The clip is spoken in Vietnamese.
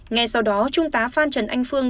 ngay sau đó trung tá phan trần anh phương